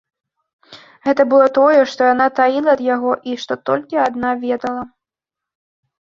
Гэта было тое, што яна таіла ад яго і што толькі адна ведала.